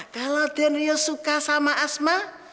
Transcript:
kalau denrio suka sama asma